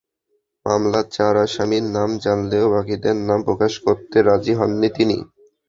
মামলার চার আসামির নাম জানালেও বাকিদের নাম প্রকাশ করতে রাজি হননি তিনি।